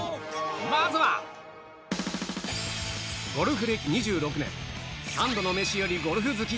まずは、ゴルフ歴２６年、三度の飯よりゴルフ好き！